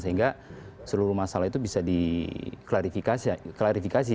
sehingga seluruh masalah itu bisa diklarifikasi